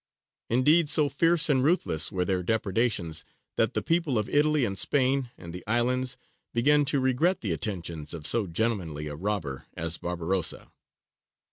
Indeed so fierce and ruthless were their depredations that the people of Italy and Spain and the islands began to regret the attentions of so gentlemanly a robber as Barbarossa.